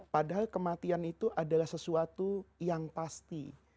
padahal kematian itu adalah sesuatu yang pasti